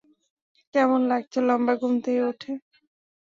কেমন লাগছে লম্বা ঘুম দিয়ে উঠে?